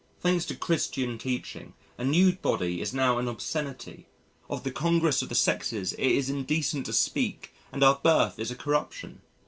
Thanks to Christian teaching, a nude body is now an obscenity, of the congress of the sexes it is indecent to speak and our birth is a corruption.